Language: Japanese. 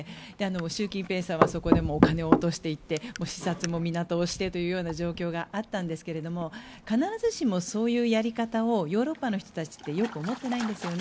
習近平さんはそこでもお金を落としていって視察も、港をしてという状況があったんですが必ずしもそういうやり方をヨーロッパの人たちってよく思っていないんですね。